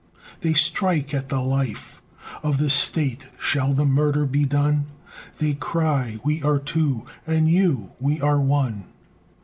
They strike at the life of the State: Shall the murder be done? They cry: "We are two!" And you: "We are one!"